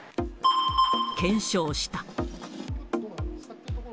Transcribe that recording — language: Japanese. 検証した。